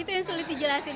itu yang sulit dijelasin